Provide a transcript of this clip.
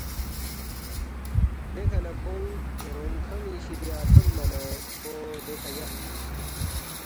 دیکھہ نہ کھونگ رونگ کھن٘ی شِدیا تھونما نہ کھو دیکھہ یقس